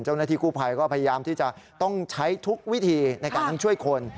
เจ้าหน้าที่กู้ภัยก็พยายามที่จะต้องใช้ทุกวิธีในการทั้งช่วยคน